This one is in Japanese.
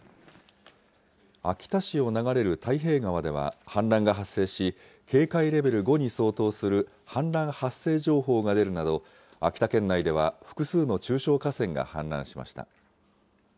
秋田市を流れる太平川では氾濫が発生し、警戒レベル５に相当する氾濫発生情報が出るなど、秋田県内では複数の中小河川が氾濫しました。